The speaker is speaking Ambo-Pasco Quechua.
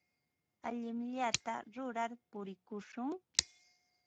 Allinllata rurar purikushun.